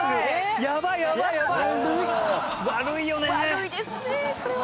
悪いですねこれは。